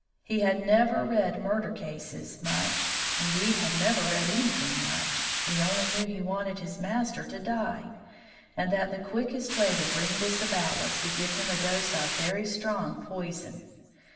He had never read murder cases much; indeed, had never read anything much; he only knew he wanted his master to die, and that the quickest way to bring this about was to give him a dose of very strong poison.